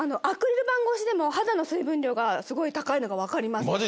アクリル板越しでも肌の水分量がすごい高いのが分かります。